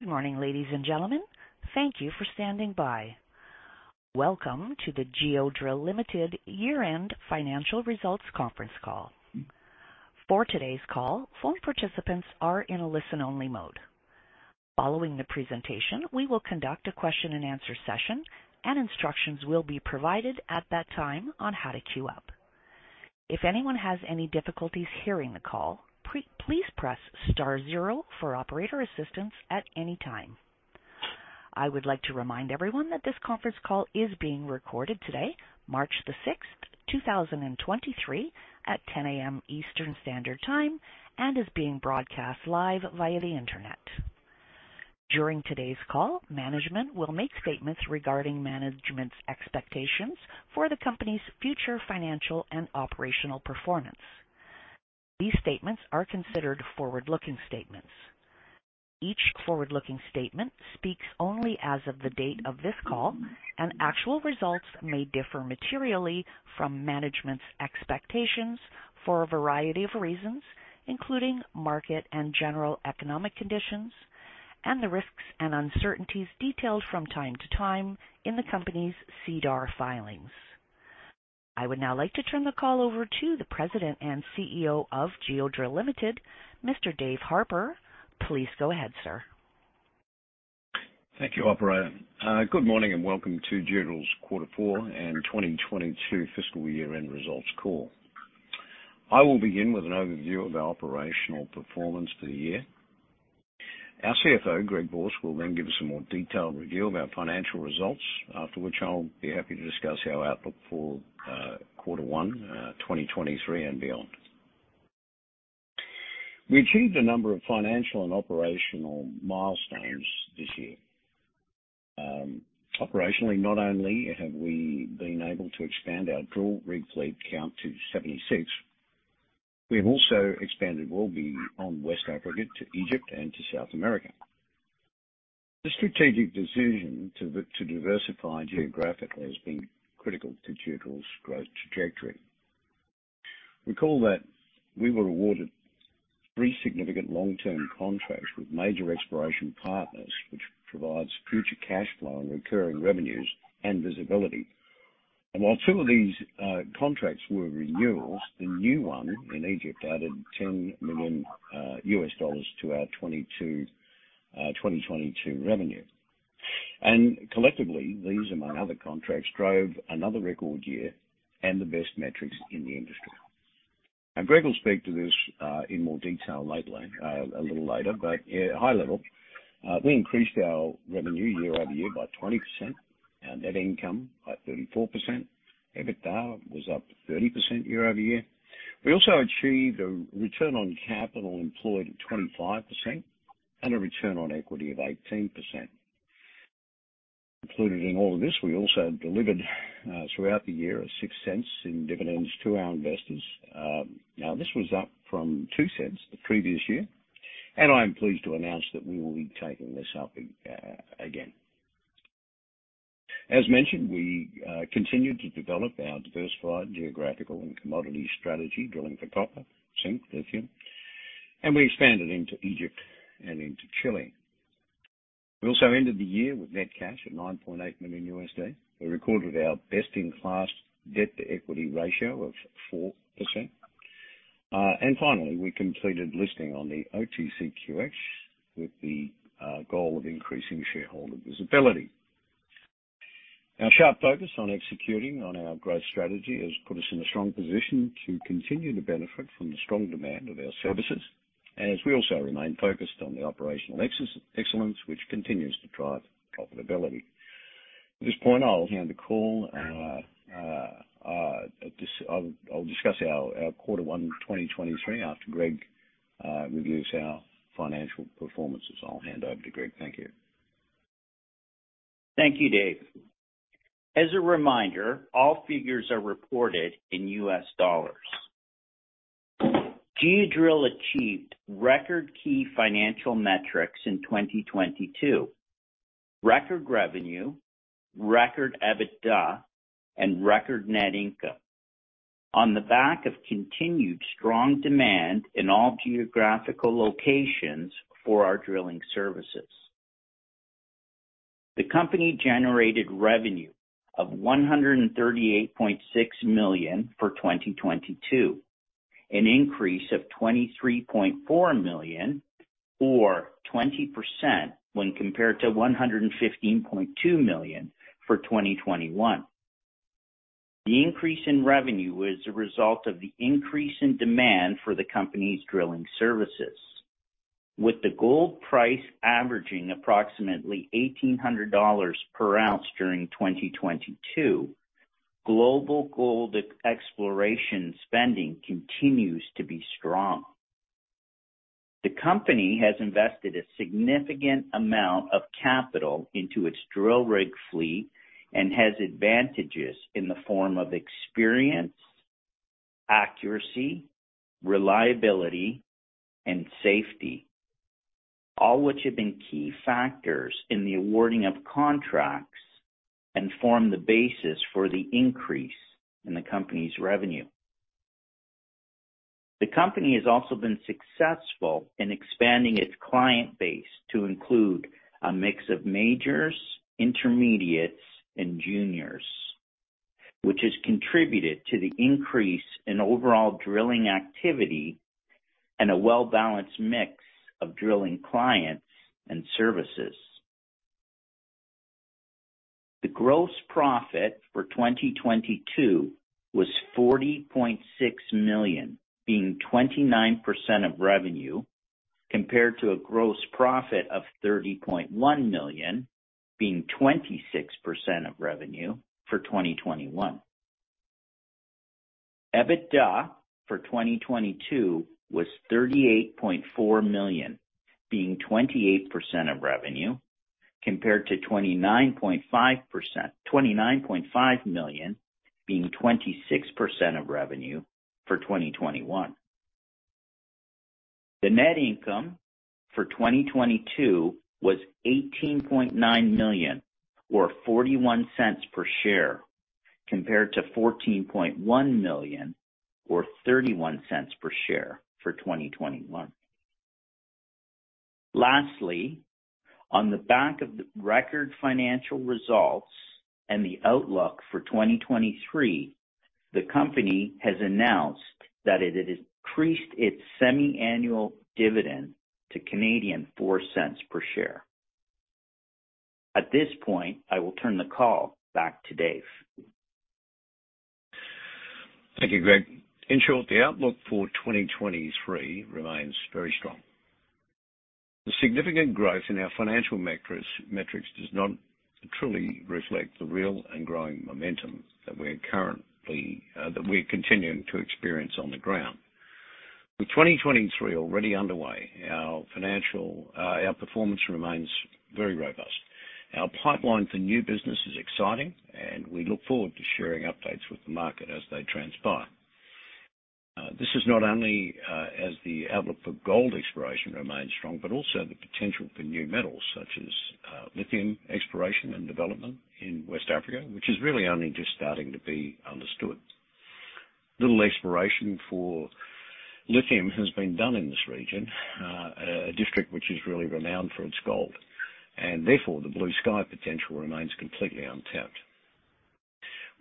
Good morning, ladies and gentlemen. Thank you for standing by. Welcome to the Geodrill Limited Year-End Financial Results Conference Call. For today's call, phone participants are in a listen-only mode. Following the presentation, we will conduct a question-and-answer session, and instructions will be provided at that time on how to queue up. If anyone has any difficulties hearing the call, please press star 0 for operator assistance at any time. I would like to remind everyone that this conference call is being recorded today, March the 6th, 2023 at 10:00 A.M. Eastern Standard Time and is being broadcast live via the Internet. During today's call, management will make statements regarding management's expectations for the company's future financial and operational performance. These statements are considered forward-looking statements. Each forward-looking statement speaks only as of the date of this call. Actual results may differ materially from management's expectations for a variety of reasons, including market and general economic conditions and the risks and uncertainties detailed from time to time in the company's SEDAR filings. I would now like to turn the call over to the President and CEO of Geodrill Limited, Mr. Dave Harper. Please go ahead, sir. Thank you, operator. Good morning and welcome to Geodrill's Q4 and 2022 fiscal year-end results call. I will begin with an overview of our operational performance for the year. Our CFO, Gregory Borsk, will then give us a more detailed review of our financial results. After which I'll be happy to discuss our outlook for Q1 2023 and beyond. We achieved a number of financial and operational milestones this year. Operationally, not only have we been able to expand our drill rig fleet count to 76, we have also expanded globally on West Africa to Egypt and to South America. The strategic decision to diversify geographically has been critical to Geodrill's growth trajectory. Recall that we were awarded three significant long-term contracts with major exploration partners, which provides future cash flow and recurring revenues and visibility. While two of these contracts were renewals, the new one in Egypt added $10 million to our 2022 revenue. Collectively, these among other contracts, drove another record year and the best metrics in the industry. Greg will speak to this in more detail a little later. Yeah, high level, we increased our revenue year-over-year by 20%, our net income by 34%. EBITDA was up 30% year-over-year. We also achieved a Return on Capital Employed of 25% and a Return on Equity of 18%. Included in all of this, we also delivered throughout the year 0.06 in dividends to our investors. Now this was up from 2 cents the previous year, and I'm pleased to announce that we will be taking this up again. As mentioned, we continued to develop our diversified geographical and commodity strategy, drilling for copper, zinc, lithium, and we expanded into Egypt and into Chile. We also ended the year with net cash at $9.8 million. We recorded our best-in-class debt-to-equity ratio of 4%. Finally, we completed listing on the OTCQX with the goal of increasing shareholder visibility. Our sharp focus on executing on our growth strategy has put us in a strong position to continue to benefit from the strong demand of our services, and as we also remain focused on the operational excellence which continues to drive profitability. At this point, I'll hand the call, I'll discuss our quarter one 2023 after Greg reviews our financial performances. I'll hand over to Greg. Thank you. Thank you, Dave. As a reminder, all figures are reported in US dollars. Geodrill achieved record key financial metrics in 2022. Record revenue, record EBITDA, and record net income. On the back of continued strong demand in all geographical locations for our drilling services. The company generated revenue of $138.6 million for 2022, an increase of $23.4 million or 20% when compared to $115.2 million for 2021. The increase in revenue was a result of the increase in demand for the company's drilling services. With the gold price averaging approximately $1,800 per ounce during 2022, global gold exploration spending continues to be strong. The company has invested a significant amount of capital into its drill rig fleet and has advantages in the form of experience, accuracy, reliability, and safety, all which have been key factors in the awarding of contracts and form the basis for the increase in the company's revenue. The company has also been successful in expanding its client base to include a mix of majors, intermediates and juniors, which has contributed to the increase in overall drilling activity and a well-balanced mix of drilling clients and services. The gross profit for 2022 was $40.6 million, being 29% of revenue, compared to a gross profit of $30.1 million, being 26% of revenue for 2021. EBITDA for 2022 was $38.4 million, being 28% of revenue, compared to $29.5 million, being 26% of revenue for 2021. The net income for 2022 was $18.9 million, or $0.41 per share, compared to $14.1 million, or $0.31 per share for 2021. Lastly, on the back of the record financial results and the outlook for 2023, the company has announced that it has increased its semi-annual dividend to 0.04 per share. At this point, I will turn the call back to Dave. Thank you, Greg. In short, the outlook for 2023 remains very strong. The significant growth in our financial metrics does not truly reflect the real and growing momentum that we're currently that we're continuing to experience on the ground. With 2023 already underway, our financial our performance remains very robust. Our pipeline for new business is exciting, and we look forward to sharing updates with the market as they transpire. This is not only as the outlook for gold exploration remains strong, but also the potential for new metals such as lithium exploration and development in West Africa, which is really only just starting to be understood. Little exploration for lithium has been done in this region, a district which is really renowned for its gold, therefore the blue sky potential remains completely untapped.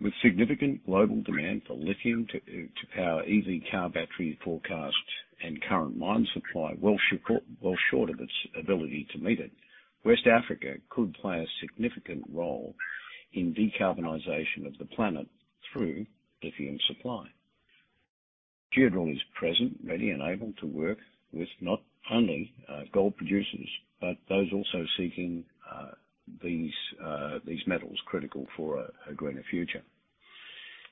With significant global demand for lithium to power EV car battery forecasts and current mine supply well short of its ability to meet it, West Africa could play a significant role in decarbonization of the planet through lithium supply. Geodrill is present, ready and able to work with not only gold producers, but those also seeking these metals critical for a greener future.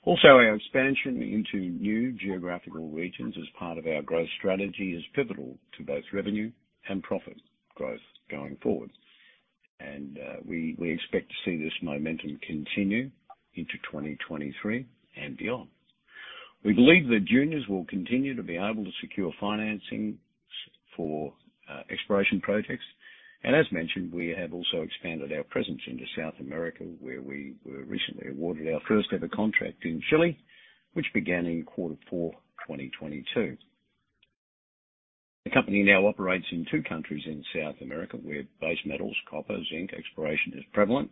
Also, our expansion into new geographical regions as part of our growth strategy is pivotal to both revenue and profit growth going forward. We expect to see this momentum continue into 2023 and beyond. We believe that juniors will continue to be able to secure financings for exploration projects. As mentioned, we have also expanded our presence into South America, where we were recently awarded our first-ever contract in Chile, which began in quarter four, 2022. The company now operates in two countries in South America, where base-metals, copper, zinc exploration is prevalent.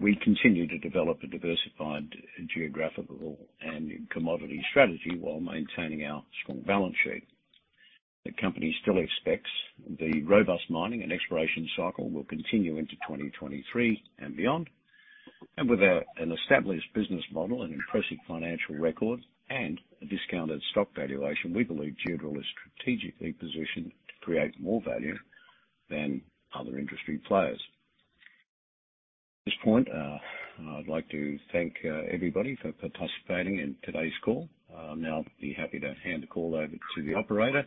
We continue to develop a diversified geographical and commodity strategy while maintaining our strong balance sheet. The company still expects the robust mining and exploration cycle will continue into 2023 and beyond. With an established business model, an impressive financial record, and a discounted stock valuation, we believe Geodrill is strategically positioned to create more value than other industry players. At this point, I'd like to thank everybody for participating in today's call. I'll now be happy to hand the call over to the operator,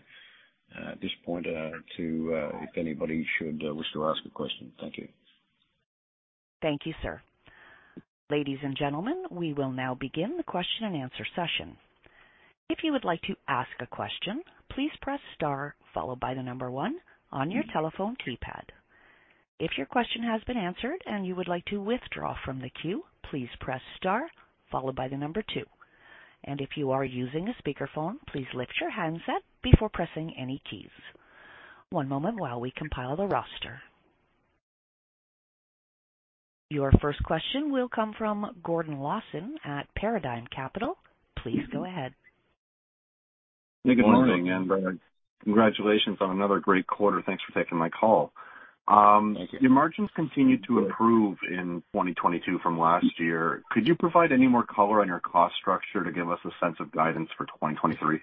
at this point, to, if anybody should wish to ask a question. Thank you. Thank you, sir. Ladies and gentlemen, we will now begin the question-and-answer session. If you would like to ask a question, please press star followed by one on your telephone keypad. If your question has been answered and you would like to withdraw from the queue, please press star followed by two. If you are using a speakerphone, please lift your handset before pressing any keys. One moment while we compile the roster. Your first question will come from Gordon Lawson at Paradigm Capital. Please go ahead. Good morning. Congratulations on another great quarter. Thanks for taking my call. Thank you. Your margins continued to improve in 2022 from last year. Could you provide any more color on your cost structure to give us a sense of guidance for 2023?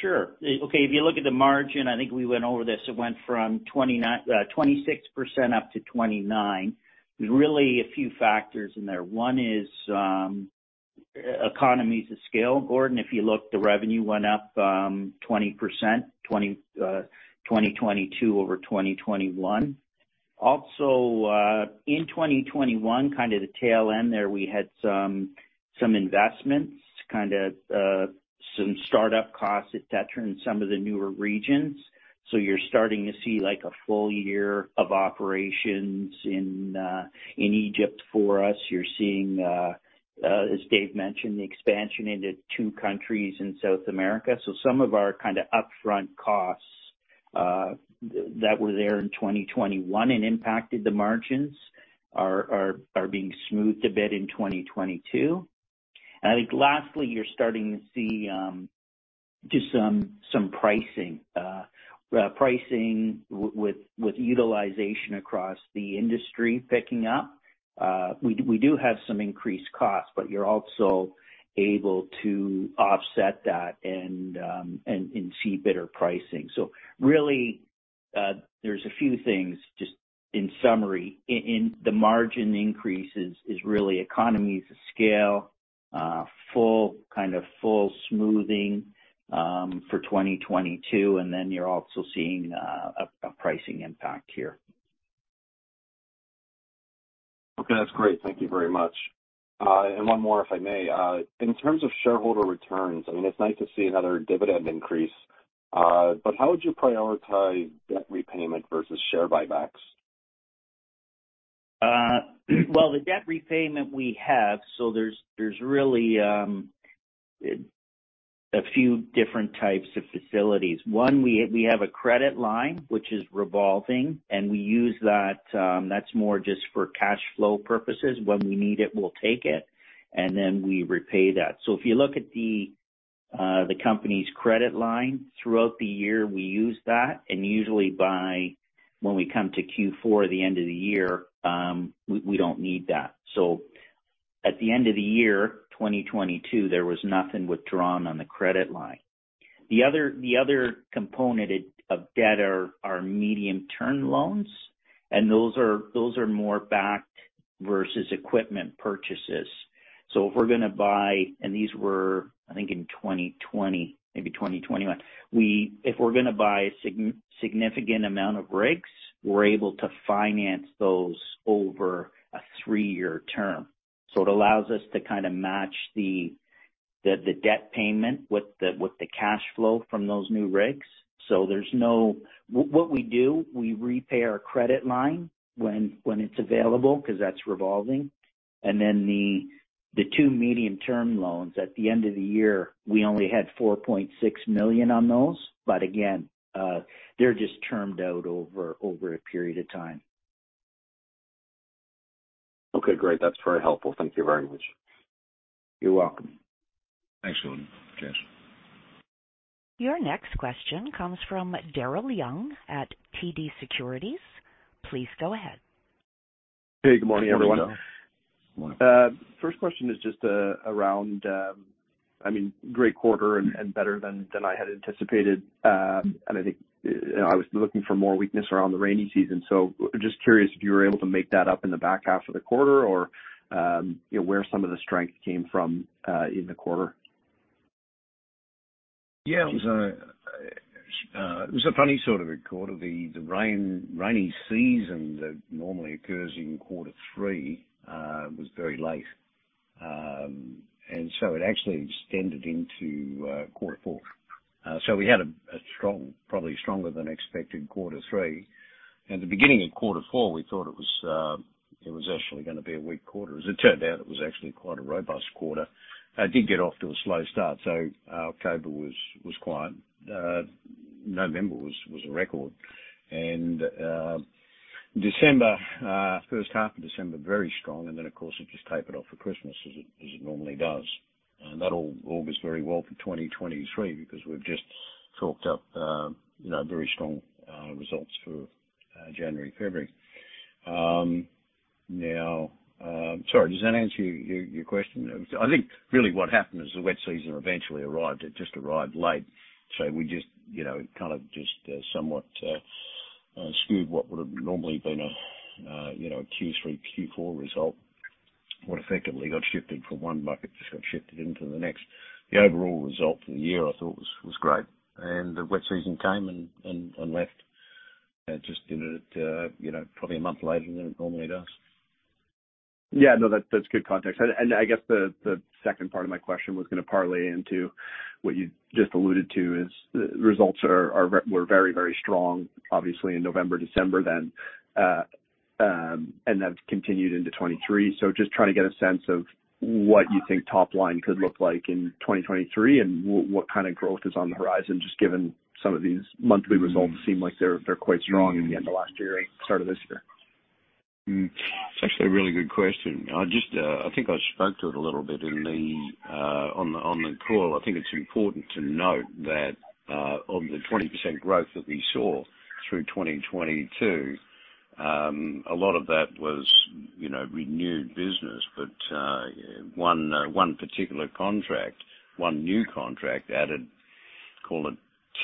Sure. Okay, if you look at the margin, I think we went over this. It went from 26% up to 29%. There's really a few factors in there. One is economies of scale, Gordon. If you look, the revenue went up 20%, 2022 over 2021. Also, in 2021, kind of the tail end there, we had some investments, kind of start-up costs, et cetera, in some of the newer regions. You're starting to see like a full year of operations in Egypt for us. You're seeing, as Dave mentioned, the expansion into two countries in South America. Some of our kind of upfront costs that were there in 2021 and impacted the margins are being smoothed a bit in 2022. I think lastly, you're starting to see just some pricing. Pricing with utilization across the industry picking up. We do have some increased costs, but you're also able to offset that and see better pricing. Really, there's a few things just in summary. The margin increases is really economies of scale, full kind of full smoothing for 2022, and then you're also seeing a pricing impact here. Okay. That's great. Thank you very much. One more, if I may. In terms of shareholder returns, I mean, it's nice to see another dividend increase, how would you prioritize debt repayment versus share buybacks? Well, the debt repayment we have, there's really a few different types of facilities. One, we have a credit line which is revolving, and we use that. That's more just for cash flow purposes. When we need it, we'll take it, and then we repay that. If you look at the company's credit line throughout the year, we use that and usually by when we come to Q4, the end of the year, we don't need that. At the end of the year, 2022, there was nothing withdrawn on the credit line. The other component of debt are medium-term loans, and those are more backed versus equipment purchases. If we're gonna buy—and these were, I think, in 2020, maybe 2021. If we're gonna buy significant amount of rigs, we're able to finance those over a three-year term. It allows us to kinda match the debt payment with the cash flow from those new rigs. There's no—what we do, we repay our credit line when it's available because that's revolving. Then the two medium-term loans, at the end of the year, we only had $4.6 million on those. Again, they're just termed out over a period of time. Okay, great. That's very helpful. Thank you very much. You're welcome. Thanks, Gordon. Cheers. Your next question comes from Daryl Young at TD Securities. Please go ahead. Hey, good morning, everyone. Morning. First question is just around, I mean, great quarter and better than I had anticipated. I think, you know, I was looking for more weakness around the rainy season. Just curious if you were able to make that up in the back half of the quarter or, you know, where some of the strength came from in the quarter? Yeah. It was a funny sort of a quarter. The rainy season that normally occurs in quarter three was very late. It actually extended into quarter four. We had a strong, probably stronger than expected quarter three. At the beginning of quarter four, we thought it was actually gonna be a weak quarter. As it turned out, it was actually quite a robust quarter. It did get off to a slow start. October was quiet. November was a record. December, first half of December, very strong and then of course it just tapered off for Christmas as it normally does. That all bodes very well for 2023 because we've just chalked up, you know, very strong results for January and February. Now. Sorry, does that answer your question? I think really what happened is the wet season eventually arrived. It just arrived late. We just, you know, it kind of just somewhat skewed what would've normally been a, you know, a Q3, Q4 result. What effectively got shifted from one bucket just got shifted into the next. The overall result for the year I thought was great. The wet season came and left, just, you know, probably a month later than it normally does. Yeah. No, that's good context. I guess the second part of my question was gonna parlay into what you just alluded to is the results are were very, very strong obviously in November, December then, and have continued into 23. Just trying to get a sense of what you think top line could look like in 2023 and what kind of growth is on the horizon, just given some of these monthly results seem like they're quite strong at the end of last year, start of this year. It's actually a really good question. I just, I think I spoke to it a little bit in the on the on the call. I think it's important to note that of the 20% growth that we saw through 2022, a lot of that was, you know, renewed business. One, one particular contract, one new contract added, call it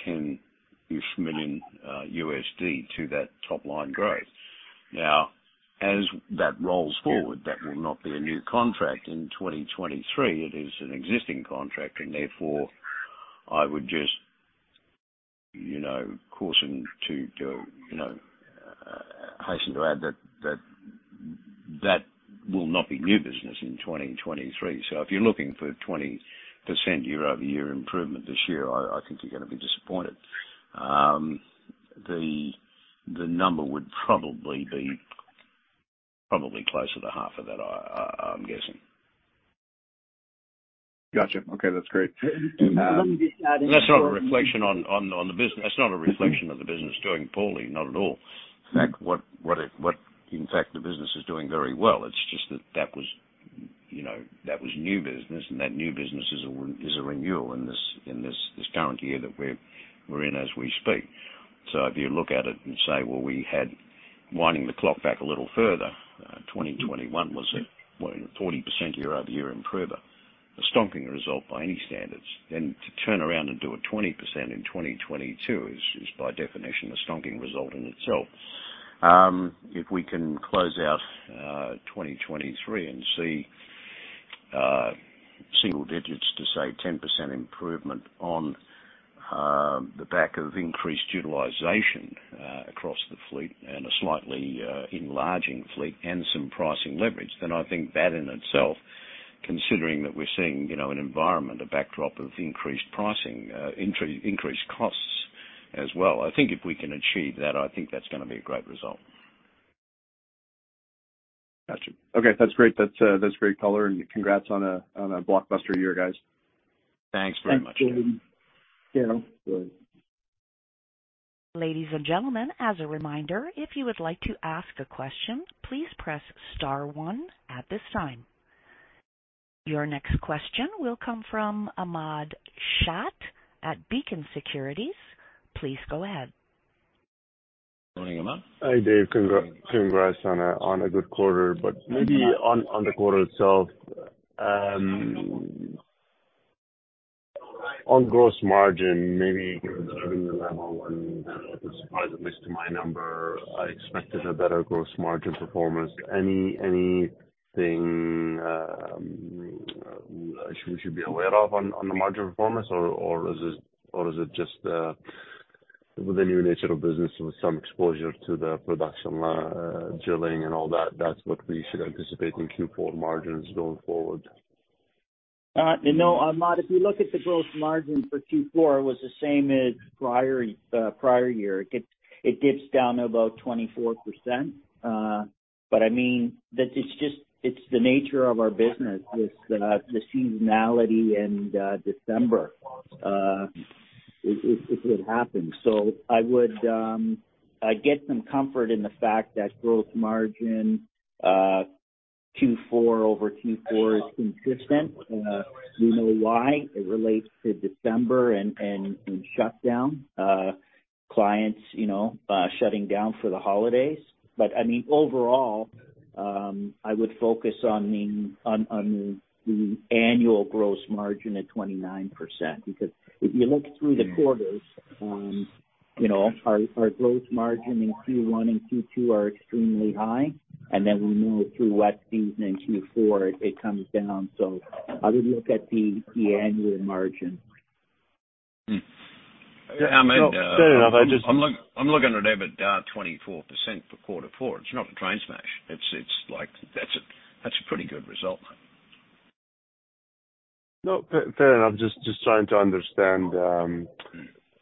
$10 million to that top line growth. Now, as that rolls forward, that will not be a new contract in 2023. It is an existing contract and therefore I would just, you know, caution to, you know, I hasten to add that that will not be new business in 2023. If you're looking for 20% year-over-year improvement this year, I think you're gonna be disappointed. The number would probably be probably closer to half of that, I'm guessing. Got you. Okay, that's great. That's not a reflection on the business. That's not a reflection of the business doing poorly, not at all. In fact, the business is doing very well. It's just that that was, you know, new business, and that new business is a renewal in this current year that we're in as we speak. If you look at it and say, well, we had winding the clock back a little further, 2021 was a, well, 40% year-over-year improvement. A stomping result by any standards. To turn around and do a 20% in 2022 is by definition a stomping result in itself. If we can close out 2023 and see single digits to say 10% improvement on the back of increased utilization across the fleet and a slightly enlarging fleet and some pricing leverage, then I think that in itself, considering that we're seeing, you know, an environment, a backdrop of increased pricing, increased costs as well. I think if we can achieve that, I think that's gonna be a great result. Got you. Okay, that's great. That's great color, and congrats on a blockbuster year, guys. Thanks very much. Thanks, Dave. Yeah. Good. Ladies and gentlemen, as a reminder, if you would like to ask a question, please press star one at this time. Your next question will come from Ahmad Shaath at Beacon Securities. Please go ahead. Morning, Ahmad. Hi, Dave. Congrats on a good quarter. Maybe on the quarter itself, on gross margin, maybe given the revenue level and the surprise, at least to my number, I expected a better gross margin performance. Anything we should be aware of on the margin performance? Or is it just with the new nature of business with some exposure to the production drilling and all that's what we should anticipate in Q4 margins going forward? No, Ahmad, if you look at the gross margin for Q4, it was the same as prior year. It dips down to about 24%. I mean, that it's just, it's the nature of our business with the seasonality in December. It would happen. I would, I get some comfort in the fact that gross margin, Q4 over Q4 is consistent. We know why. It relates to December and, and shutdown. Clients, you know, shutting down for the holidays. I mean, overall, I would focus on the annual gross margin at 29% because if you look through the quarters, you know, our gross margin in Q1 and Q2 are extremely high, and then we move through wet season in Q4, it comes down. I would look at the annual margins. I mean— Fair enough. I'm looking at EBIT down 24% for quarter four. It's not a train smash. It's like that's a pretty good result. No. Fair, fair enough. Just trying to understand,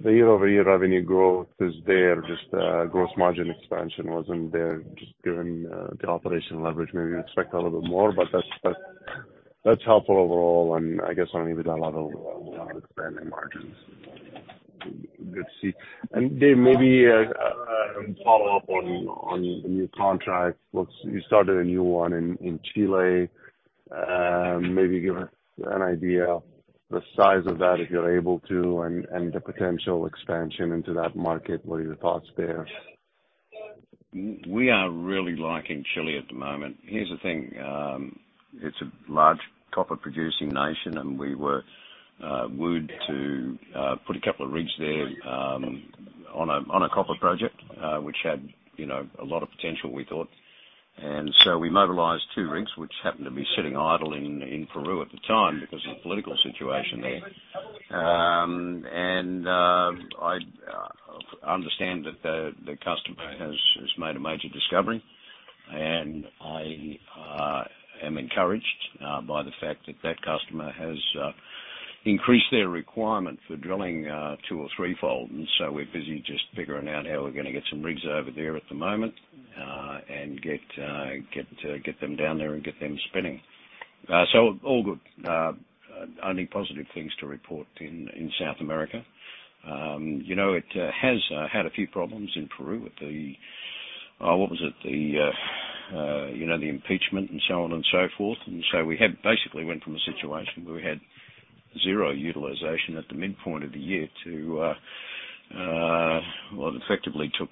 the year-over-year revenue growth is there, just, gross margin expansion wasn't there just given, the operational leverage, maybe you expect a little bit more. That's helpful overall. I guess on a level, expanding margins. Good to see. Dave, maybe, follow up on the new contract. You started a new one in Chile. Maybe give us an idea of the size of that, if you're able to, and the potential expansion into that market. What are your thoughts there? We are really liking Chile at the moment. Here's the thing. It's a large copper producing nation, and we were wooed to put a couple of rigs there on a copper project, which had, you know, a lot of potential, we thought. We mobilized two rigs, which happened to be sitting idle in Peru at the time because of the political situation there. I understand that the customer has made a major discovery, and I am encouraged by the fact that that customer has increased their requirement for drilling two or threefold. We're busy just figuring out how we're gonna get some rigs over there at the moment and get them down there and get them spinning. All good. Only positive things to report in South America. You know, it has had a few problems in Peru with the—what was it? The, you know, the impeachment and so on and so forth. We had basically went from a situation where we had zero utilization at the midpoint of the year to, well, effectively took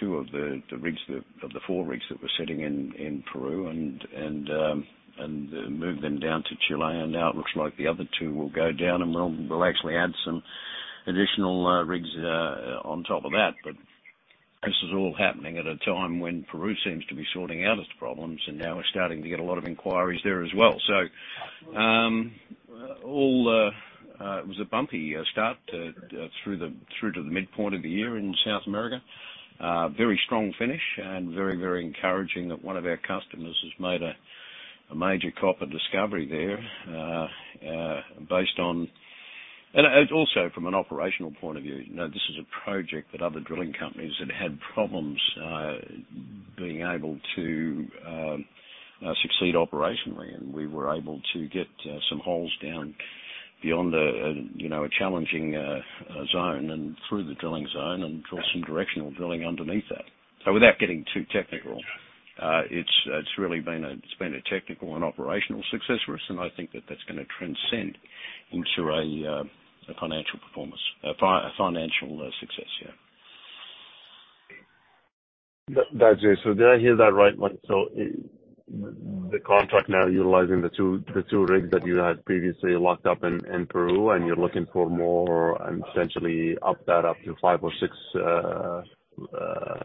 two of the rigs that of the four rigs that were sitting in Peru and, moved them down to Chile. Now it looks like the other two will go down and we'll actually add some additional rigs on top of that. This is all happening at a time when Peru seems to be sorting out its problems, and now we're starting to get a lot of inquiries there as well. rt through the midpoint of the year in South America. A very strong finish and very, very encouraging that one of our customers has made a major copper discovery there based on. And also from an operational point of view, you know, this is a project that other drilling companies had problems being able to succeed operationally. And we were able to get some holes down beyond a challenging zone and through the drilling zone and drill some directional drilling underneath that. Without getting too technical, it's really been a technical and operational success for us, and I think that that's gonna transcend into a financial performance, a financial success, yeah. That's it. Did I hear that right? So the contract now utilizing the two rigs that you had previously locked up in Peru, and you're looking for more and essentially up that up to five or six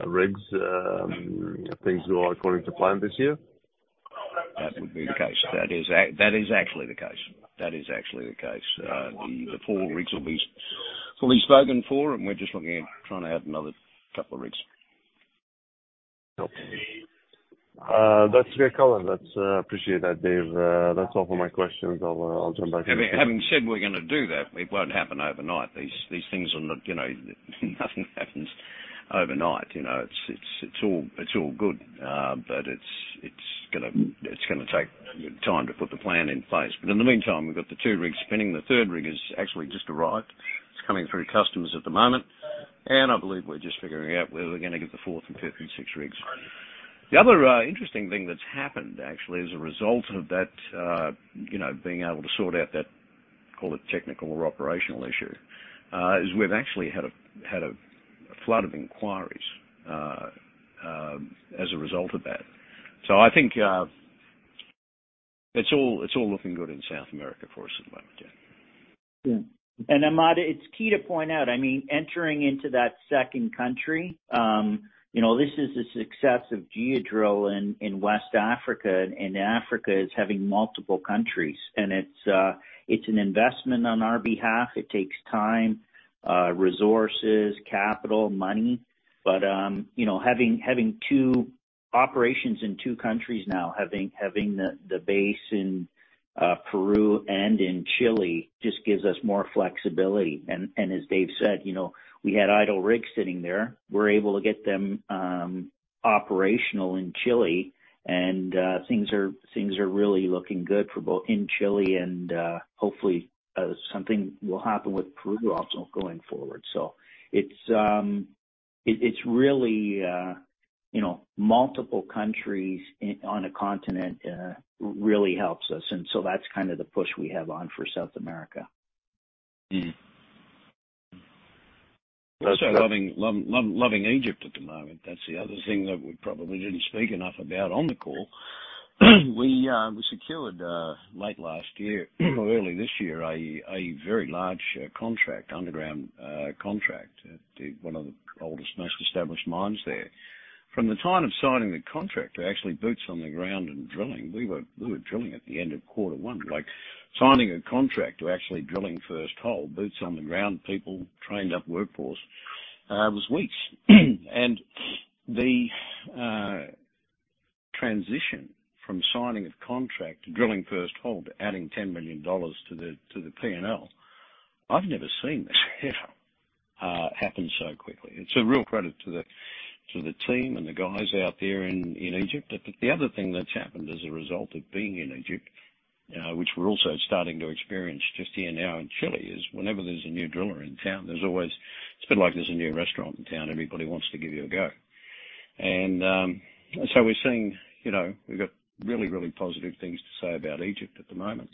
rigs, if things go according to plan this year? That would be the case. That is actually the case. That is actually the case. The four rigs will be fully spoken for. We're just looking at trying to add another couple of rigs. Okay. That's great color. That's, appreciate that, Dave. That's all for my questions. I'll jump back in— Having said we're gonna do that, it won't happen overnight. These things are not, you know, nothing happens overnight. You know, it's, it's all, it's all good. It's, it's gonna, it's gonna take time to put the plan in place. In the meantime, we've got the two rigs spinning. The third rig has actually just arrived. It's coming through customs at the moment. I believe we're just figuring out where we're gonna get the fourth and fifth and sixth rigs. The other interesting thing that's happened actually as a result of that, you know, being able to sort out that, call it technical or operational issue, is we've actually had a flood of inquiries as a result of that. I think, it's all looking good in South America for us at the moment, yeah. Yeah. Ahmad, it's key to point out, I mean, entering into that second country, you know, this is the success of Geodrill in West Africa, and Africa is having multiple countries. It's an investment on our behalf. It takes time, resources, capital, money. You know, having two operations in two countries now, having the base in Peru and in Chile just gives us more flexibility. And as Dave said, you know, we had idle rigs sitting there. We're able to get them operational in Chile and things are really looking good for both in Chile and hopefully something will happen with Peru also going forward. It's really, you know, multiple countries on a continent really helps us. That's kind of the push we have on for South America. We're also loving Egypt at the moment. That's the other thing that we probably didn't speak enough about on the call. We secured late last year or early this year a very large underground contract at one of the oldest, most established mines there. From the time of signing the contract to actually boots on the ground and drilling, we were drilling at the end of Q1. Like signing a contract to actually drilling the first hole, boots on the ground, people trained up workforce was weeks. The transition from signing of contract to drilling the first hole to adding $10 million to the P&L, I've never seen this ever happen so quickly. It's a real credit to the team and the guys out there in Egypt. The other thing that's happened as a result of being in Egypt, which we're also starting to experience just here now in Chile, is whenever there's a new driller in town, there's always. It's a bit like there's a new restaurant in town, everybody wants to give you a go. We're seeing, you know, we've got really, really positive things to say about Egypt at the moment.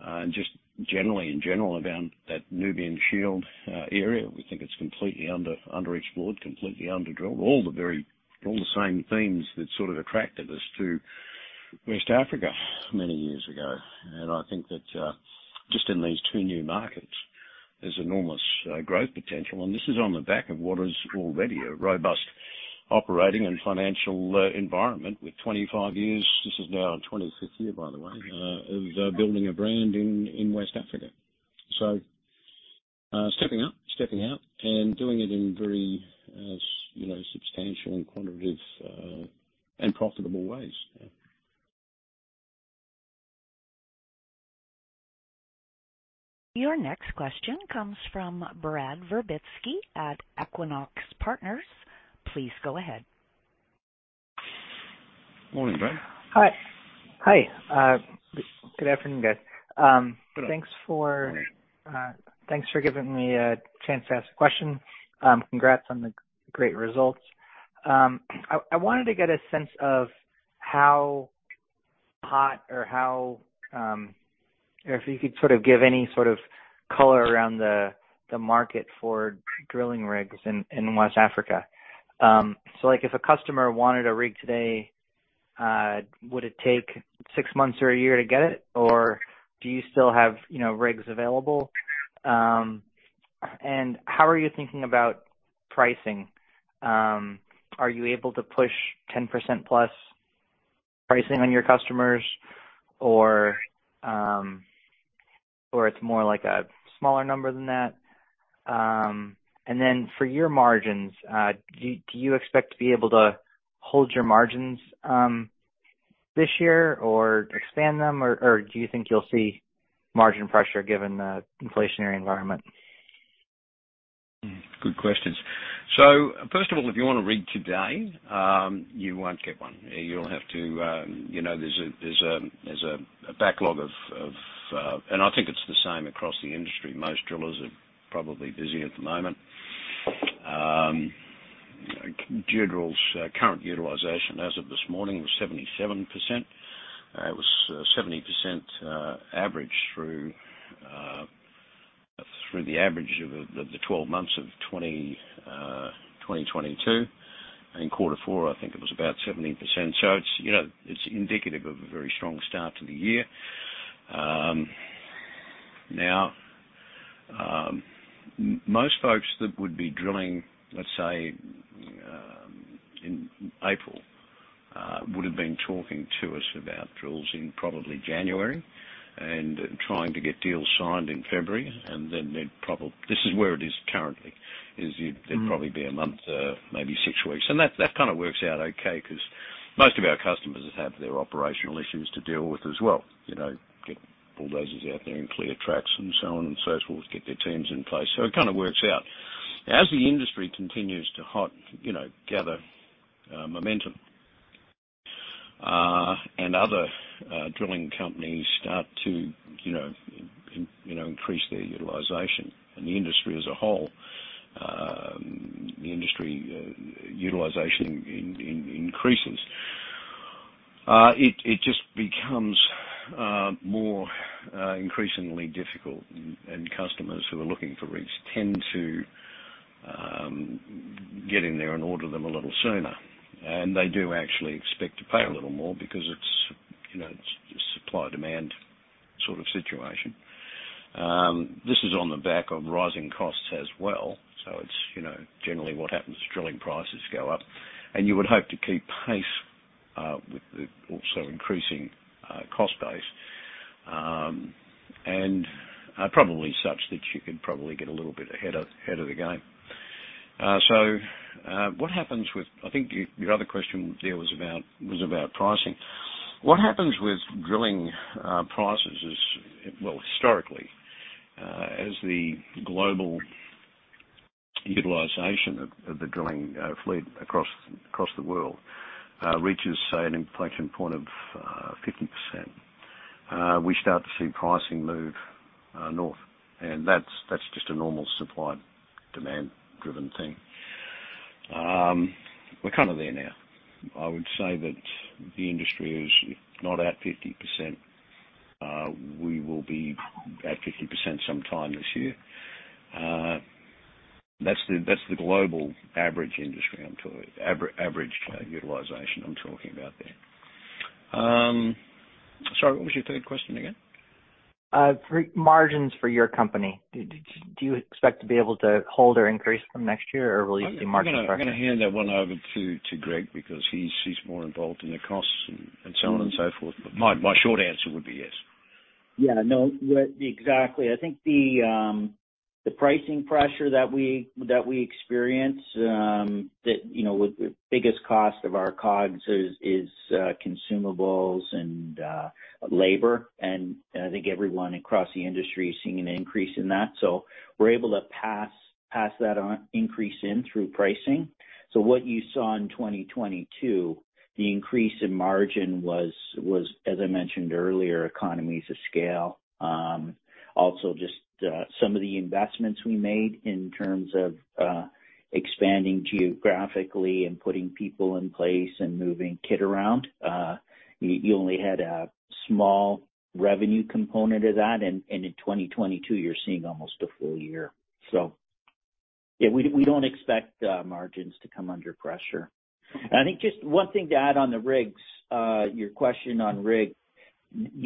And just generally, in general about that Nubian Shield area, we think it's completely underexplored, completely under-drilled. All the same themes that sort of attracted us to West Africa many years ago. I think that, just in these two new markets, there's enormous growth potential. This is on the back of what is already a robust operating and financial environment with 25 years, this is now our 25th year, by the way, of building a brand in West Africa. Stepping up, stepping out, and doing it in very, you know, substantial and quantitative and profitable ways. Yeah. Your next question comes from Brad Verbitsky at Equinox Partners. Please go ahead. Morning, Brad. Hi. Good afternoon, guys. thanks for— Morning. Thanks for giving me a chance to ask a question. Congrats on the great results. I wanted to get a sense of how hot or how, or if you could sort of give any sort of color around the market for drilling rigs in West Africa. Like if a customer wanted a rig today, would it take 6 months or a year to get it? Do you still have, you know, rigs available? How are you thinking about pricing? Are you able to push 10% plus pricing on your customers or it's more like a smaller number than that? For your margins, do you expect to be able to hold your margins this year or expand them? Do you think you'll see margin pressure given the inflationary environment? Good questions. First of all, if you want a rig today, you won't get one. You'll have to, you know, there's a backlog of—I think it's the same across the industry. Most drillers are probably busy at the moment. Geodrill's current utilization as of this morning was 77%. It was 70% average through the average of the 12 months of 2022. In quarter four, I think it was about 70%. It's, you know, it's indicative of a very strong start to the year. Now, most folks that would be drilling, let's say, in April, would've been talking to us about drills in probably January and trying to get deals signed in February, then this is where it is currently, is there'd probably be a month, maybe six weeks. That, that kind of works out okay because most of our customers have their operational issues to deal with as well. You know, get bulldozers out there and clear tracks and so on and so forth, get their teams in place. It kinda works out. As the industry continues to hot, you know, gather momentum, and other drilling companies start to, you know, increase their utilization and the industry as a whole, the industry utilization increases. It just becomes more increasingly difficult. Customers who are looking for rigs tend to get in there and order them a little sooner. They do actually expect to pay a little more because it's, you know, it's supply-demand sort of situation. This is on the back of rising costs as well. It's, you know, generally what happens is drilling prices go up. You would hope to keep pace with the also increasing cost base. Probably such that you could probably get a little bit ahead of the game. I think your other question, Darryl, was about pricing. What happens with drilling prices is, well, historically, as the global utilization of the drilling fleet across the world reaches, say, an inflection point of 50%, we start to see pricing move north. That's, that's just a normal supply/demand-driven thing. We're kind of there now. I would say that the industry is, if not at 50%, we will be at 50% sometime this year. That's the, that's the global average industry I'm average utilization I'm talking about there. Sorry, what was your third question again? For margins for your company, do you expect to be able to hold or increase them next year or March— I'm gonna hand that one over to Greg because he's more involved in the costs and so on and so forth. My short answer would be yes. Yeah. No, what—exactly. I think the pricing pressure that we experience, that, you know, with the biggest cost of our COGS is consumables and labor. And I think everyone across the industry is seeing an increase in that. What you saw in 2022, the increase in margin was, as I mentioned earlier, economies of scale. Also just some of the investments we made in terms of expanding geographically and putting people in place and moving kit around. You only had a small revenue component of that, and in 2022, you're seeing almost a full year. Yeah, we don't expect margins to come under pressure. I think just one thing to add on the rigs, your question on rig.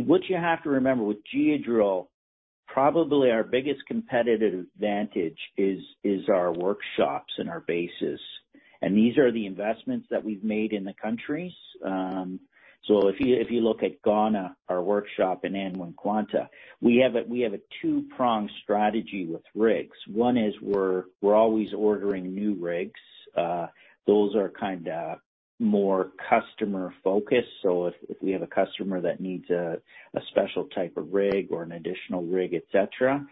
What you have to remember with Geodrill, probably our biggest competitive advantage is our workshops and our bases. These are the investments that we've made in the countries. If you look at Ghana, our workshop in Anwiankwanta, we have a two-pronged strategy with rigs. One is we're always ordering new rigs. Those are kinda more customer-focused. If we have a customer that needs a special type of rig or an additional rig, et cetera,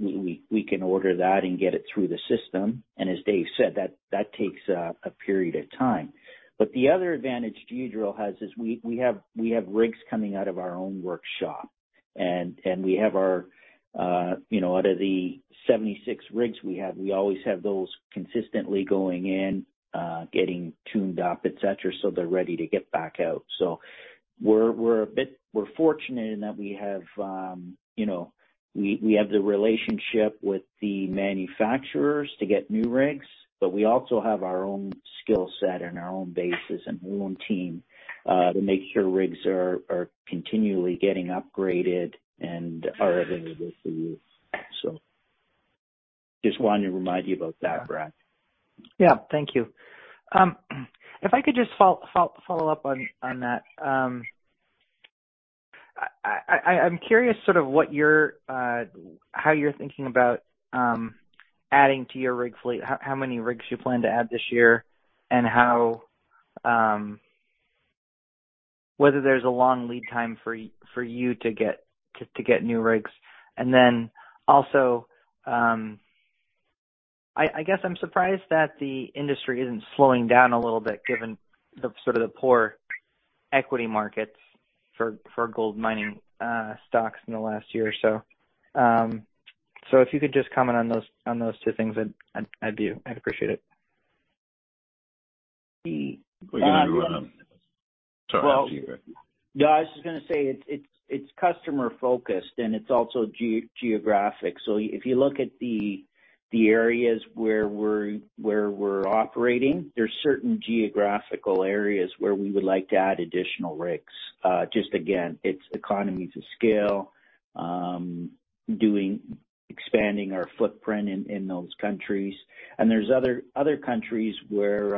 we can order that and get it through the system. As Dave said, that takes a period of time. The other advantage Geodrill has is we have rigs coming out of our own workshop. We have our, you know, out of the 76 rigs we have, we always have those consistently going in, getting tuned up, et cetera, so they're ready to get back out. We're fortunate in that we have, you know, we have the relationship with the manufacturers to get new rigs, but we also have our own skill set and our own bases and our own team to make sure rigs are continually getting upgraded and are available for use, so. Just wanted to remind you about that, Brad. Yeah. Thank you. If I could just follow up on that. I'm curious sort of what you're how you're thinking about adding to your rig fleet, how many rigs you plan to add this year, and how whether there's a long lead time for you to get new rigs. Also, I guess I'm surprised that the industry isn't slowing down a little bit given the sort of the poor equity markets for gold mining stocks in the last year or so. If you could just comment on those, on those two things, I'd appreciate it. The— Well, you—sorry. No, I was just gonna say it's customer-focused, and it's also geographic. If you look at the areas where we're operating, there's certain geographical areas where we would like to add additional rigs. Just again, it's economies of scale, expanding our footprint in those countries. There's other countries where,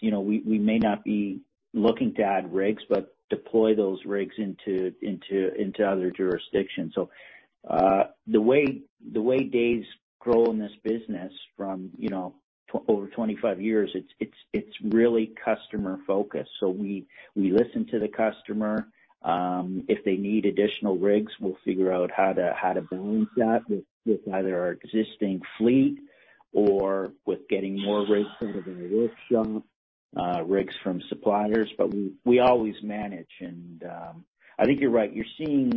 you know, we may not be looking to add rigs, but deploy those rigs into other jurisdictions. The way Dave's grown this business from, you know, over 25 years, it's really customer-focused. We listen to the customer. If they need additional rigs, we'll figure out how to balance that with either our existing fleet or with getting more rigs out of the workshop, rigs from suppliers. We always manage. I think you're right. You're seeing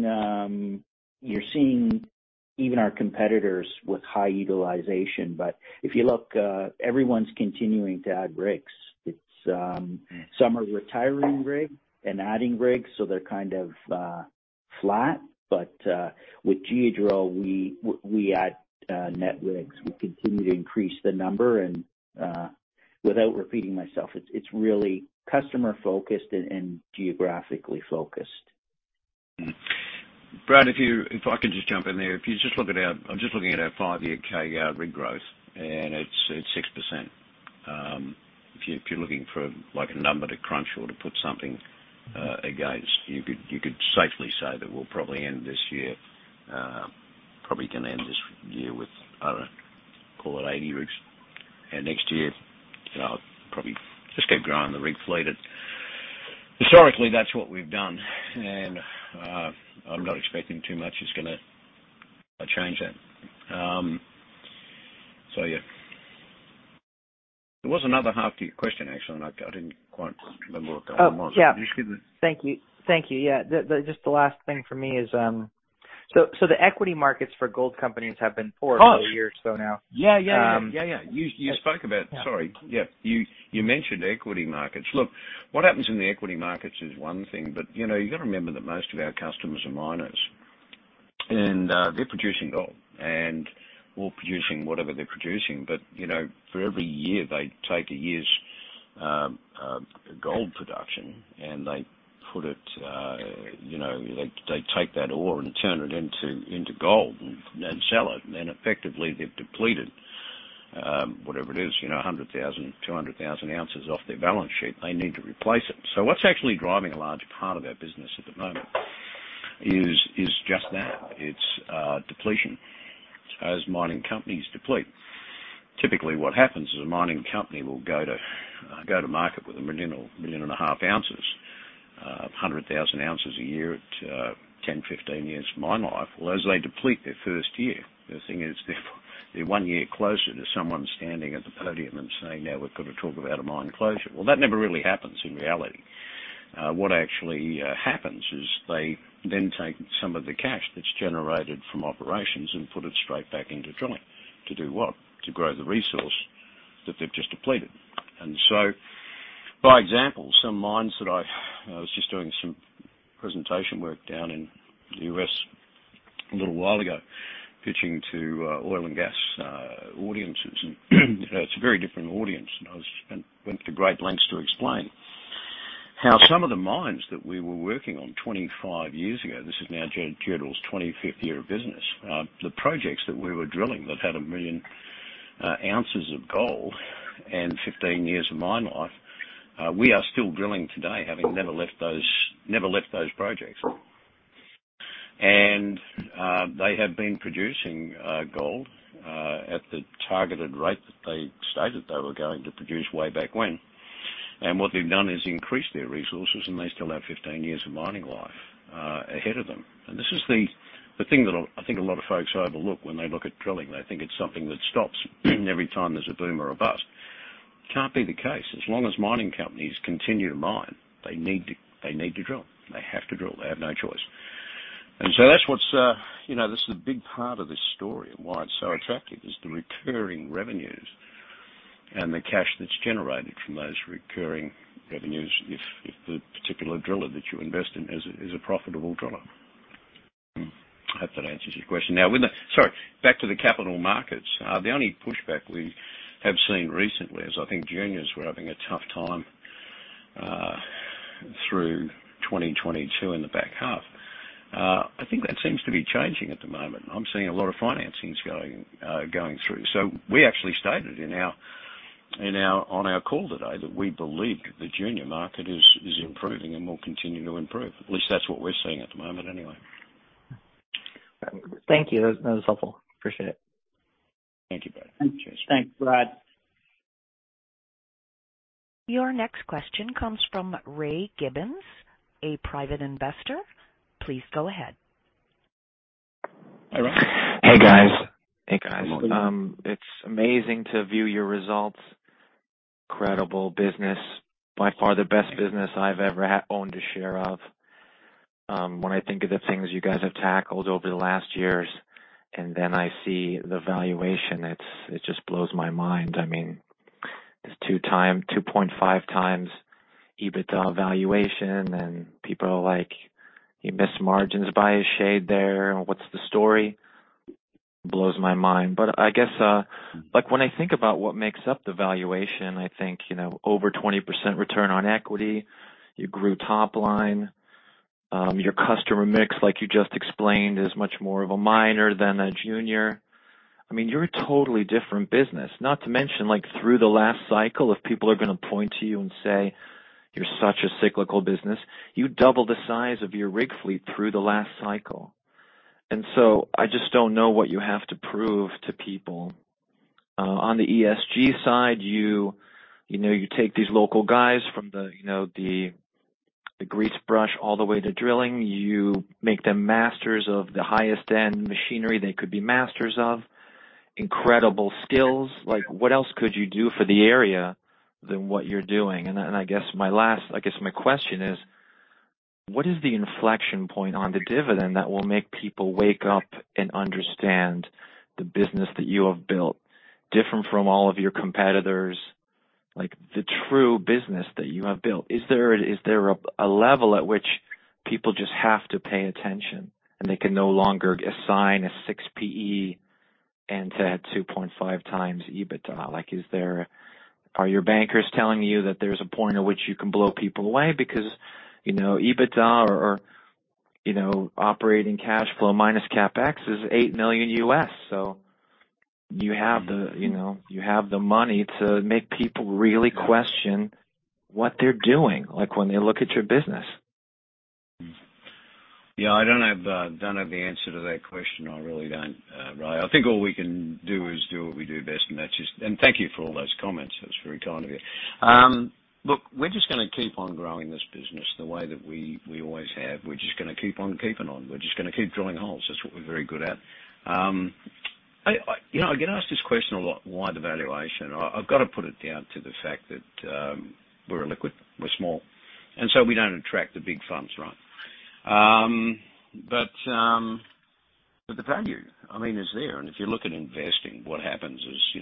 even our competitors with high utilization. If you look, everyone's continuing to add rigs. It's, some are retiring rigs and adding rigs, so they're kind of flat. With Geodrill, we add net rigs. We continue to increase the number. Without repeating myself, it's really customer-focused and geographically focused. Brad, if I could just jump in there. I'm just looking at our 5-year CAGR rig growth, and it's 6%. If you're looking for like a number to crunch or to put something against, you could safely say that we'll probably end this year, probably gonna end this year with, I don't know, call it 80 rigs. Next year, you know, probably just keep growing the rig fleet. Historically, that's what we've done. I'm not expecting too much is gonna change that. Yeah. There was another half to your question, actually. I didn't quite remember what the other one was. Oh, yeah. Can you just give me? Thank you. Thank you. Yeah. The just the last thing for me is, the equity markets for gold companies have been poor for a year or so now. Yeah, yeah. You spoke about. Yeah. Sorry. Yeah. You mentioned equity markets. Look, what happens in the equity markets is one thing, but, you know, you gotta remember that most of our customers are miners. They're producing gold and/or producing whatever they're producing. You know, for every year, they take a year's gold production, and they put it, you know, they take that ore and turn it into gold and sell it. Effectively, they've depleted, whatever it is, you know, 100,000, 200,000 ounces off their balance sheet. They need to replace it. What's actually driving a large part of our business at the moment is just that. It's depletion. As mining companies deplete, typically what happens is a mining company will go to, go to market with 1 million or 1.5 million ounces, 100,000 ounces a year at, 10-15 years of mine life. Well, as they deplete their first year, the thing is, they're one year closer to someone standing at the podium and saying, "Now we've got to talk about a mine closure." Well, that never really happens in reality. What actually happens is they then take some of the cash that's generated from operations and put it straight back into drilling. To do what? To grow the resource that they've just depleted. By example, some mines that I was just doing some presentation work down in the U.S. a little while ago, pitching to, oil and gas, audiences. You know, it's a very different audience. Went to great lengths to explain how some of the mines that we were working on 25 years ago, this is now Geodrill's 25th year of business, the projects that we were drilling that had 1 million ounces of gold and 15 years of mine life, we are still drilling today, having never left those, never left those projects. They have been producing gold at the targeted rate that they stated they were going to produce way back when. What they've done is increase their resources, and they still have 15 years of mining life ahead of them. This is the thing that I think a lot of folks overlook when they look at drilling. They think it's something that stops every time there's a boom or a bust. Can't be the case. As long as mining companies continue to mine, they need to drill. They have to drill. They have no choice. That's what's, you know, this is a big part of this story and why it's so attractive, is the recurring revenues and the cash that's generated from those recurring revenues, if the particular driller that you invest in is a profitable driller. I hope that answers your question. Now, sorry, back to the capital markets. The only pushback we have seen recently is I think juniors were having a tough time through 2022 in the back half. I think that seems to be changing at the moment. I'm seeing a lot of financings going through. we actually stated on our call today that we believe the junior market is improving and will continue to improve. At least that's what we're seeing at the moment anyway. Thank you. That was helpful. Appreciate it. Thank you, bud. Cheers. Thanks, Brad. Your next question comes from Ray Gibbens, a private investor. Please go ahead. Hi, Ray. Hey, guys. It's amazing to view your results. Incredible business. By far the best business I've ever owned a share of. When I think of the things you guys have tackled over the last years, and then I see the valuation, it just blows my mind. I mean, it's 2x, 2.5x EBITDA valuation, and people are like, "You missed margins by a shade there. What's the story?" Blows my mind. I guess, like when I think about what makes up the valuation, I think, you know, over 20% Return on Equity, you grew top line, your customer mix, like you just explained, is much more of a minor than a junior. I mean, you're a totally different business. Not to mention, like, through the last cycle, if people are gonna point to you and say, "You're such a cyclical business," you double the size of your rig fleet through the last cycle. I just don't know what you have to prove to people. On the ESG side, you know, you take these local guys from the, you know, the grease brush all the way to drilling. You make them masters of the highest-end machinery they could be masters of. Incredible skills. Like, what else could you do for the area than what you're doing? And I guess my question is, what is the inflection point on the dividend that will make people wake up and understand the business that you have built, different from all of your competitors, like the true business that you have built? Is there a level at which people just have to pay attention and they can no longer assign a 6x P/E and to have 2.5x EBITDA? Like, is there? Are your bankers telling you that there's a point at which you can blow people away because, you know, EBITDA or, you know, operating cash flow minus CapEx is $8 million U.S. You have the, you know, you have the money to make people really question what they're doing, like, when they look at your business. I don't have the answer to that question. I really don't, Ray. I think all we can do is do what we do best, and that's just. Thank you for all those comments. That's very kind of you. Look, we're just gonna keep on growing this business the way that we always have. We're just gonna keep on keeping on. We're just gonna keep drilling holes. That's what we're very good at. I, you know, I get asked this question a lot, why the valuation? I've got to put it down to the fact that we're illiquid, we're small, so we don't attract the big firms, right? The value, I mean, is there. If you look at investing, what happens is, you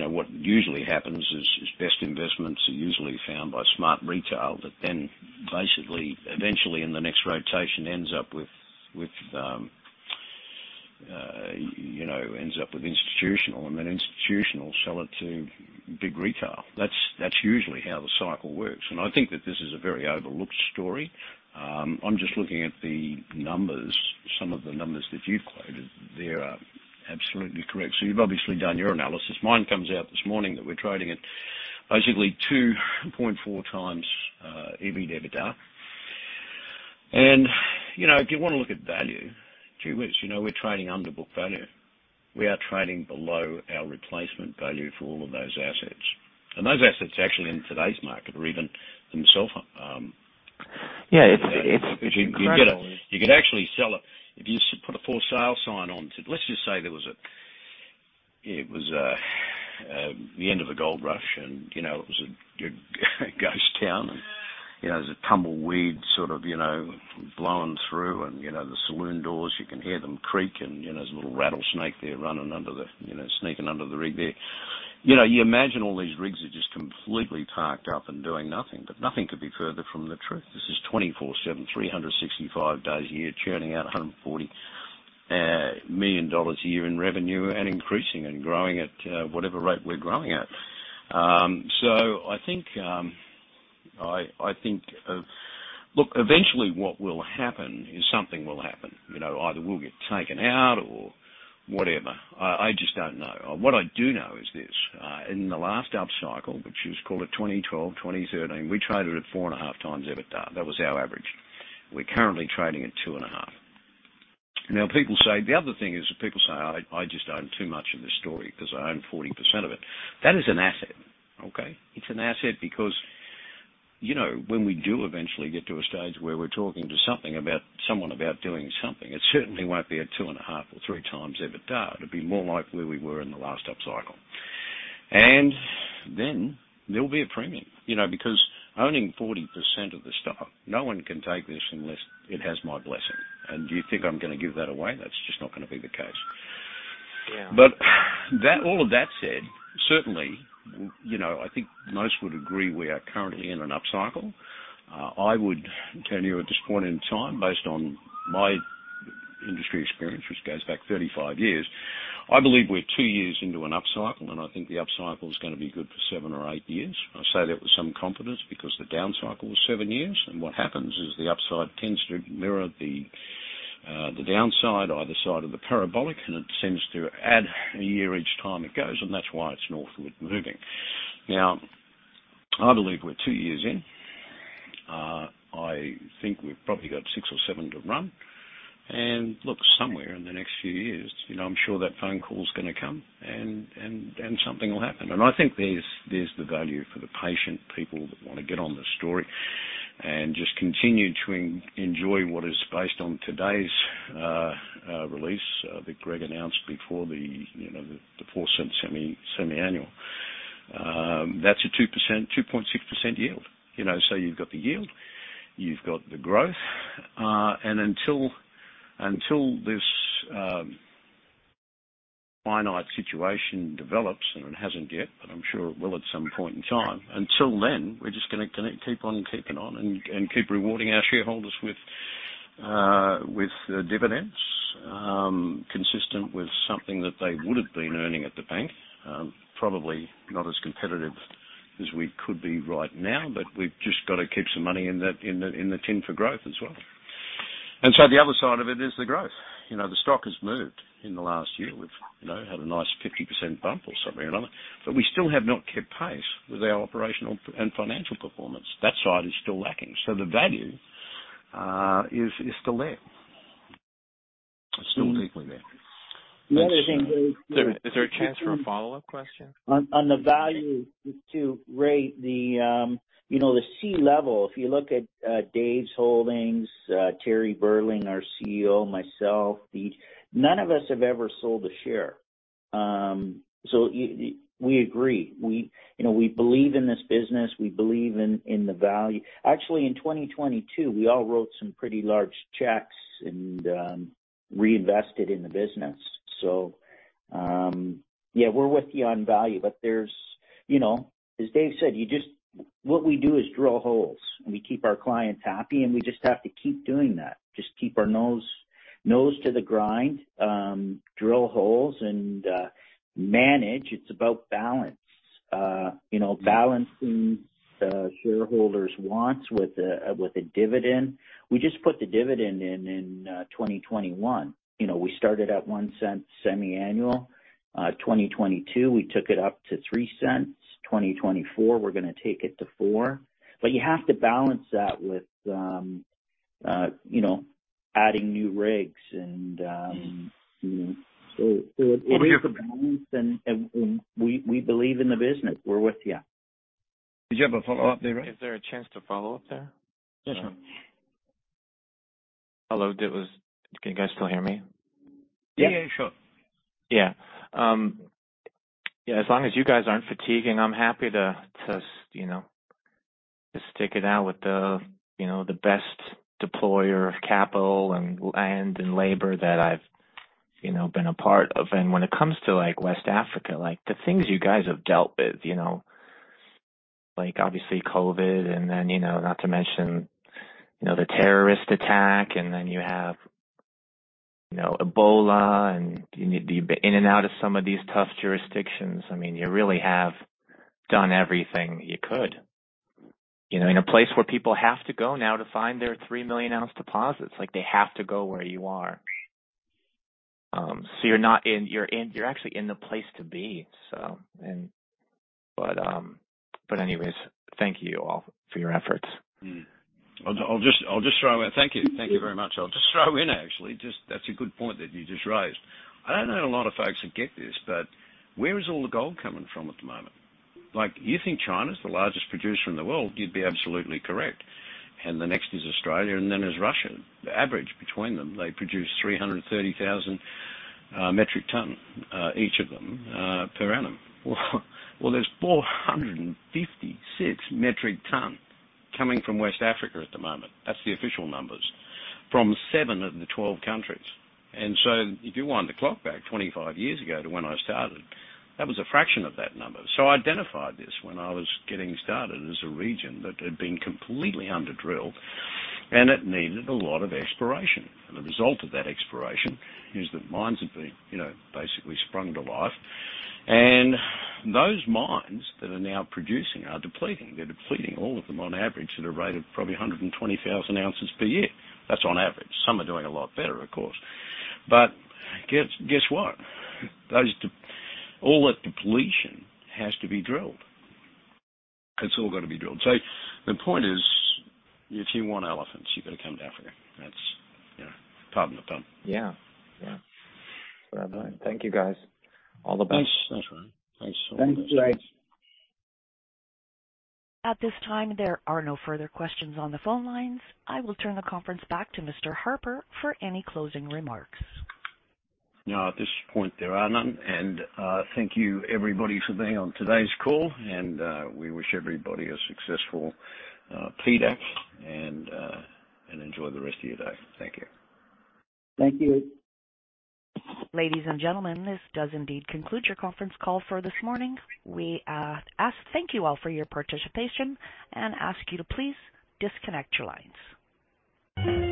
know, what usually happens is best investments are usually found by smart retail that then basically eventually in the next rotation ends up with, you know, ends up with institutional and then institutional sell it to big retail. That's usually how the cycle works. I think that this is a very overlooked story. I'm just looking at the numbers, some of the numbers that you've quoted. They're absolutely correct. You've obviously done your analysis. Mine comes out this morning that we're trading at basically 2.4x EBITDA. You know, if you wanna look at value, gee whiz, you know, we're trading under book value. We are trading below our replacement value for all of those assets. Those assets actually in today's market are even themselves. Yeah, it's incredible. If you could get it, you could actually sell it. If you put a for sale sign on to—let's just say there was a—it was the end of a gold rush and, you know, it was a ghost town and, you know, there's a tumbleweed sort of, you know, blowing through and, you know, the saloon doors, you can hear them creak and, you know, there's a little rattlesnake there running under the, you know, sneaking under the rig there. You know, you imagine all these rigs are just completely parked up and doing nothing, but nothing could be further from the truth. This is 24/7, 365 days a year, churning out $140 million a year in revenue and increasing and growing at whatever rate we're growing at. I think, Look, eventually what will happen is something will happen. You know, either we'll get taken out or whatever. I just don't know. What I do know is this. In the last upcycle, which is called a 2012, 2013, we traded at 4.5x EBITDA. That was our average. We're currently trading at 2.5. People say—the other thing is people say, "I just own too much of this story 'cause I own 40% of it." That is an asset, okay? It's an asset because, you know, when we do eventually get to a stage where we're talking to someone about doing something, it certainly won't be at 2.5x or 3x EBITDA. It'd be more like where we were in the last upcycle. Then there'll be a premium. You know, because owning 40% of the stock, no one can take this unless it has my blessing. Do you think I'm gonna give that away? That's just not gonna be the case. Yeah. That, all of that said, certainly, you know, I think most would agree we are currently in an upcycle. I would tell you at this point in time, based on my industry experience, which goes back 35 years. I believe we're two years into an upcycle, and I think the upcycle is gonna be good for seven or eight years. I say that with some confidence because the downcycle was seven years, and what happens is the upside tends to mirror the downside either side of the parabolic, and it seems to add a year each time it goes, and that's why it's northward moving. Now, I believe we're two years in. I think we've probably got six or seven to run. Look, somewhere in the next few years, you know, I'm sure that phone call's gonna come and something will happen. I think there's the value for the patient people that wanna get on the story and just continue to enjoy what is based on today's release that Greg announced before the, you know, the 0.04 semiannual. That's a 2%, 2.6% yield. You know, you've got the yield, you've got the growth, until this finite situation develops, and it hasn't yet, but I'm sure it will at some point in time. We're just gonna keep on keeping on and keep rewarding our shareholders with dividends consistent with something that they would've been earning at the bank. Probably not as competitive as we could be right now, but we've just gotta keep some money in the tin for growth as well. The other side of it is the growth. You know, the stock has moved in the last year. We've, you know, had a nice 50% bump or something or another, but we still have not kept pace with our operational and financial performance. That side is still lacking. The value is still there. It's still definitely there. The other thing, Dave. Is there a chance for a follow-up question? On the value to rate the, you know, the C-level, if you look at Dave's holdings, Terry Burling, our COO, myself. None of us have ever sold a share. We agree. We, you know, we believe in this business. We believe in the value. Actually, in 2022, we all wrote some pretty large checks and reinvested in the business. Yeah, we're with you on value. There's, you know, as Dave said, you just. What we do is drill holes, and we keep our clients happy, and we just have to keep doing that. Just keep our nose to the grind, drill holes and manage. It's about balance. You know, balancing shareholders' wants with a dividend. We just put the dividend in 2021. You know, we started at 0.01 semiannual. 2022, we took it up to 0.03. 2024, we're gonna take it to 0.04. You have to balance that with, you know, adding new rigs and, you know. Well, we— It takes a balance and we believe in the business. We're with you. Did you have a follow-up there, Ray? Is there a chance to follow up there? Yeah, sure. Hello. Can you guys still hear me? Yeah. Yeah, sure. Yeah. Yeah, as long as you guys aren't fatiguing, I'm happy to, you know, just stick it out with the, you know, the best deployer of capital and land and labor that I've, you know, been a part of. When it comes to, like, West Africa, like, the things you guys have dealt with, you know. Like, obviously COVID and then, you know, not to mention, you know, the terrorist attack, and then you have, you know, Ebola and you in and out of some of these tough jurisdictions. I mean, you really have done everything you could. You know, in a place where people have to go now to find their 3 million ounce deposits. Like, they have to go where you are. So you're in, you're actually in the place to be, so. Thank you all for your efforts. I'll just throw in. Thank you. Thank you very much. I'll just throw in, actually. Just, that's a good point that you just raised. I don't know a lot of folks that get this, but where is all the gold coming from at the moment? Like, you think China's the largest producer in the world, you'd be absolutely correct. The next is Australia, then there's Russia. The average between them, they produce 330,000 metric ton each of them per annum. Well, there's 456 metric ton coming from West Africa at the moment. That's the official numbers. From seven of the 12 countries. If you wind the clock back 25 years ago to when I started, that was a fraction of that number. I identified this when I was getting started as a region that had been completely under-drilled, and it needed a lot of exploration. The result of that exploration is that mines have been, you know, basically sprung to life. Those mines that are now producing are depleting. They're depleting all of them on average at a rate of probably 120,000 ounces per year. That's on average. Some are doing a lot better, of course. Guess what? All that depletion has to be drilled. It's all gotta be drilled. The point is, if you want elephants, you've got to come to Africa. That's, you know, pardon the pun. Yeah. Yeah. Well done. Thank you, guys. All the best. Thanks. That's all right. Thanks so much. Thanks, Ray. At this time, there are no further questions on the phone lines. I will turn the conference back to Mr. Harper for any closing remarks. No, at this point, there are none. Thank you, everybody, for being on today's call. We wish everybody a successful PDAC and enjoy the rest of your day. Thank you. Thank you. Ladies and gentlemen, this does indeed conclude your conference call for this morning. We thank you all for your participation and ask you to please disconnect your lines.